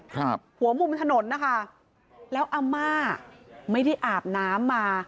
ครับหัวมุมถนนนะคะแล้วอำมาตย์ไม่ได้อาบน้ำมา